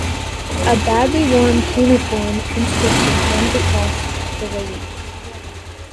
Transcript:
A badly worn cuneiform inscription runs across the relief.